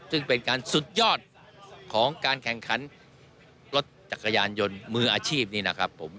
ซึ่งเป็นการสุดยอดของการแข่งขันรถจักรยานยนต์มืออาชีพนี้นะครับผม